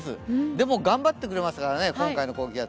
でも、頑張ってくれますからね、今回の高気圧。